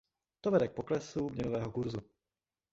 To vede k poklesu měnového kurzu.